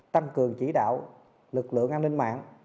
tăng cường chỉ đạo lực lượng an ninh mạng